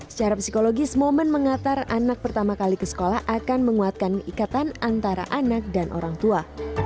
secara psikologis momen mengantar anak pertama kali ke sekolah akan menguatkan ikatan antara anak dan orang tua